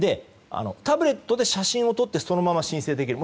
タブレットで写真を撮ってそのまま申請できる。